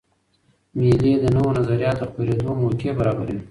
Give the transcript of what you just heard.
مېلې د نوو نظریاتو د خپرېدو موقع برابروي.